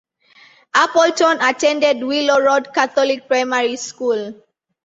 Appleton attended Willow Road Catholic Primary School.